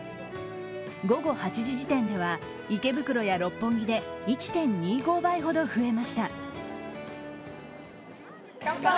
午後８時時点では池袋や六本木で１．２５倍ほど増えました。